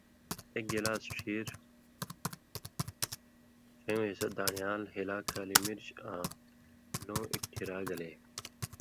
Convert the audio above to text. ایک گلاس ڇھیر، ڇیؤں حصہ دان٘ڑیال، ہِلاک کالی مرچ آں لُوں اکٹھی را گلے